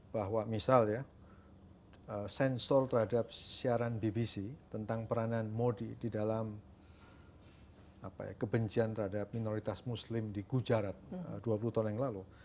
bahwa misalnya sensor terhadap siaran bbc tentang peranan modi di dalam kebencian terhadap minoritas muslim di gujarat dua puluh tahun yang lalu